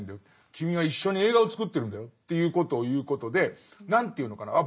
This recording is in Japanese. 君は一緒に映画を作ってるんだよ」ということを言うことで何ていうのかなあ